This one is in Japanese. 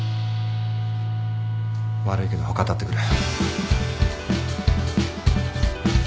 悪いけど他当たってくれ。